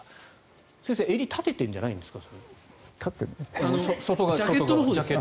先生、それ、襟を立てているんじゃないですか？